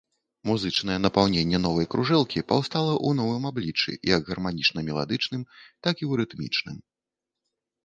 Музычнае напаўненне новай кружэлкі паўстала ў новым абліччы, як гарманічна-меладычным, так і ў рытмічным.